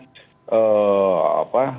tentunya kita harus berpikir